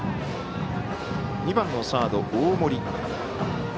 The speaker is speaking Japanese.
２番のサード、大森。